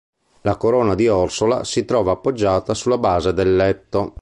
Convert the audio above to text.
La corona di Orsola si trova appoggiata sulla base del letto.